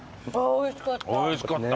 おいしかった。